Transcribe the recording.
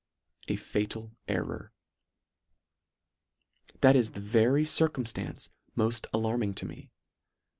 A fatal error. That is the very circum ftance moft alarming to me.